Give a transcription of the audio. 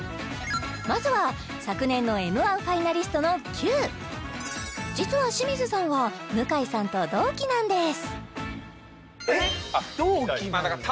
まずは昨年のＭ−１ファイナリストの実は清水さんは向井さんと同期なんですだから